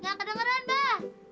nggak kedengeran bah